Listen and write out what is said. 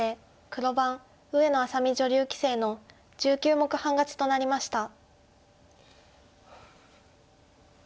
黒番の上野愛咲美女流棋聖の１９目半勝ちとなりました。